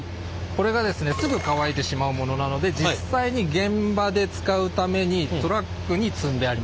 これがですねすぐ乾いてしまうものなので実際に現場で使うためにトラックに積んであります。